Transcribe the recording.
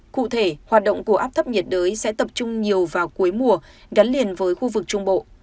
cụ thể hoạt động của áp thấp nhiệt đới sẽ tập trung nhiều vào cuối mùa gắn liền với khu vực trung bộ